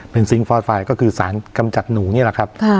เป็นซิงคอร์สไฟล์ก็คือสารกำจัดหนูนี่แหละครับ